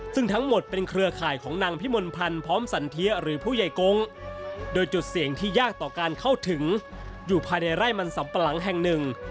ซึ่งทั้งหมดเป็นเครือข่ายของนางพิมลพันธ์พร้อมสันเทียหรือผู้ใหญ่กงโดยจุดเสี่ยงที่ยากต่อการเข้าถึงอยู่ภายในไร่มันสัมปะหลังแห่งหนึ่ง